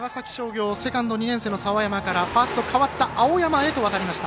２年の澤山からファースト代わった青山へとわたりました。